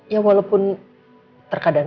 ya walaupun terkadang